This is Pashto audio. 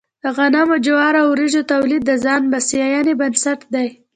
د غنمو، جوارو او وريجو تولید د ځان بسیاینې بنسټ دی.